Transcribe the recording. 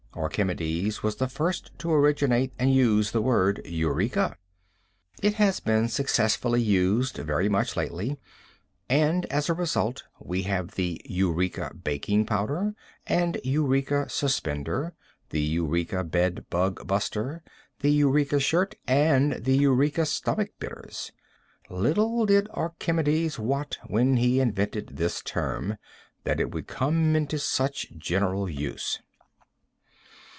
Archimedes was the first to originate and use the word "Eureka." It has been successfully used very much lately, and as a result we have the Eureka baking powder, the Eureka suspender, the Eureka bed bug buster, the Eureka shirt, and the Eureka stomach bitters. Little did Archimedes wot, when he invented this term, that it would come into such general use.